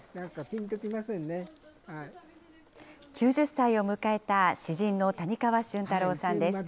９０歳を迎えた詩人の谷川俊太郎さんです。